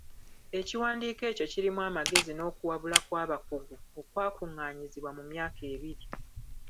Ekiwandiiko ekyo kirimu amagezi n'okuwabula kw'abakugu okwakuŋŋaanyizibwa mu myaka ebiri